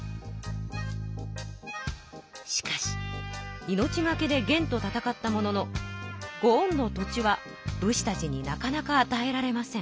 しかし命がけで元と戦ったもののご恩の土地は武士たちになかなかあたえられません。